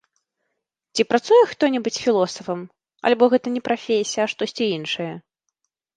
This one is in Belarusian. Ці працуе хто-небудзь філосафам альбо гэта не прафесія, а штосьці іншае?